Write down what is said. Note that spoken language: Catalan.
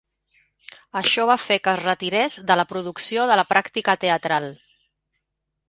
Això va fer que es retirés de la producció de la pràctica teatral.